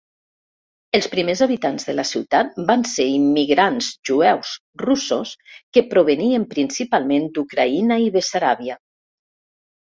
Els primers habitants de la ciutat van ser immigrants jueus russos que provenien principalment d'Ucraïna i Bessaràbia.